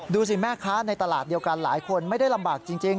ดูสิแม่ค้าในตลาดเดียวกันหลายคนไม่ได้ลำบากจริง